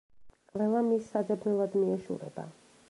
ყველა მის საძებნელად მიეშურება.